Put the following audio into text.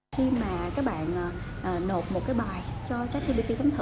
khi mà các bạn nộp một cái bài cho chat gpt thấm thử